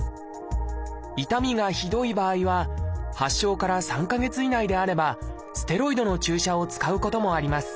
痛みがひどい場合は発症から３か月以内であればステロイドの注射を使うこともあります。